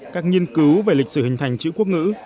các nghiên cứu về lịch sử hình thành chữ quốc ngữ